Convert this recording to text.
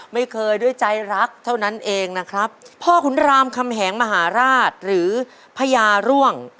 ไม่เคยด้วยใจรักเท่านั้นเองนะครับพ่อขุนรามคำแหงมหาราชหรือพญาร่วง